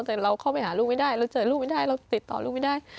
แต่เราเข้าไปหาลูกไม่ได้เราเจอลูกไม่ได้เราติดต่อลูกไม่ได้